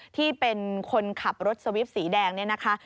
ที่เป็นคนขับรถสวิปสีแดงเนี่ยนะคะ